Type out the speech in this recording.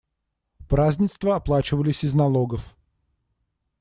Празднества оплачивались из налогов.